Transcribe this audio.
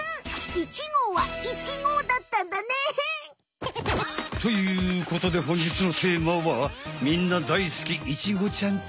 「１号」は「イチゴ」だったんだね。ということでほんじつのテーマはみんなだいすきイチゴちゃんち。